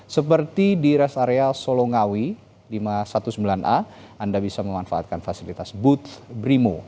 seperti di rest area solongawi lima ratus sembilan belas a anda bisa memanfaatkan fasilitas booth brimo